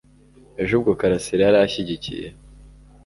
Ejo ubwo Karasira yari ashyigikiye